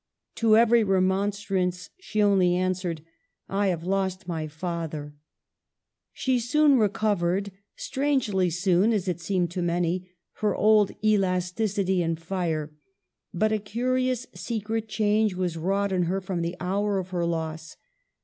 To every remonstrance she only answered, "I have lost my father/' She soon recovered — strangely soon as it seemed to many — her old elasticity and fire, but a curious secret change was wrought in her from the hour of her loss.